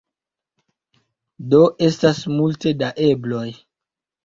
Do estas multe da ebloj.